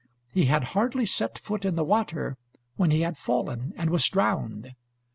He had hardly set foot in the water, when he had fallen and was drowned.